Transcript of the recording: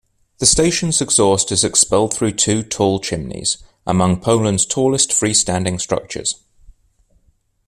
The station's exhaust is expelled through two tall chimneys, among Poland's tallest free-standing structures.